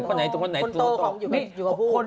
คนโตของอยู่กับผู้